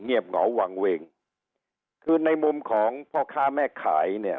เหงาวางเวงคือในมุมของพ่อค้าแม่ขายเนี่ย